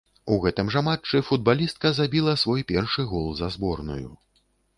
У гэтым жа матчы футбалістка забіла свой першы гол за зборную.